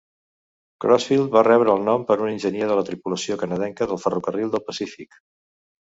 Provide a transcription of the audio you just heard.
Crossfield va rebre el nom per un enginyer de la tripulació canadenca del ferrocarril del Pacífic.